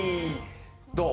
どう？